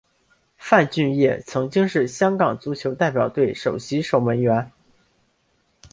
范俊业曾经是香港足球代表队首席守门员。